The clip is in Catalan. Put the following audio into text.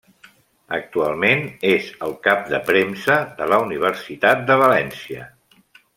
Actualment és el cap de premsa de la Universitat de València.